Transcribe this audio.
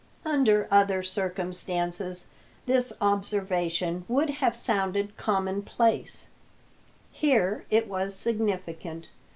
Under other circumstances this observation would have sounded commonplace; here it was significant.